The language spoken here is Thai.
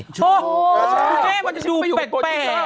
โอ้โฮคุณแม่ว่าจะดูแบบโปรดิวเซอร์